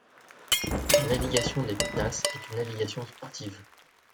La navigation des pinasses est une navigation sportive.